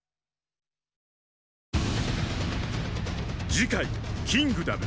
次回「キングダム」